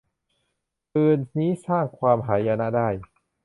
ปืนนี้สร้างความหายนะได้